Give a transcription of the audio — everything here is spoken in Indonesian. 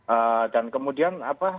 eee dan kemudian apa